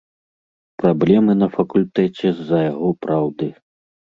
Праблемы на факультэце з-за яго праўды.